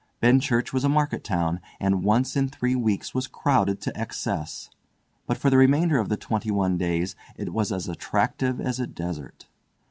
Benchurch was a market town, and once in three weeks was crowded to excess, but for the remainder of the twenty one days it was as attractive as a desert.